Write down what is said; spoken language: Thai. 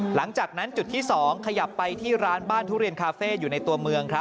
หลังจากนั้นจุดที่สองขยับไปที่ร้านบ้านทุเรียนคาเฟ่